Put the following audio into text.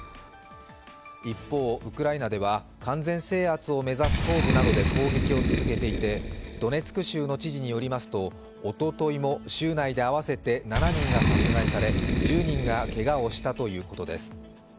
一方、ウクライナでは完全制圧を目指す東部などで攻撃を続けていてドネツク州の知事によりますと、おとといも州内で合わせて７人が殺害され１０人がけがをしたということです。